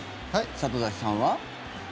里崎さんは？